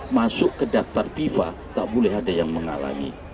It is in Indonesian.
masuk ke daftar fifa tak boleh ada yang menghalangi